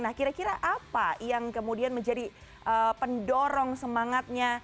nah kira kira apa yang kemudian menjadi pendorong semangatnya